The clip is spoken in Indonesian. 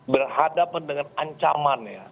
berhadapan dengan ancaman ya